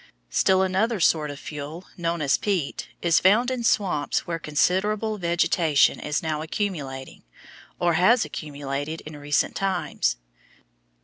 Still another sort of fuel, known as peat, is found in swamps where considerable vegetation is now accumulating, or has accumulated in recent times.